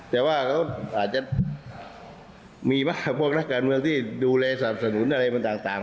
แต่ว่าเขาอาจจะมีบ้างพวกนักการเมืองที่ดูแลสนับสนุนอะไรมันต่าง